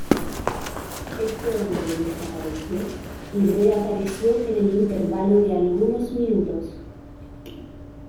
Este hombre desapareció y reapareció en el intervalo de algunos minutos.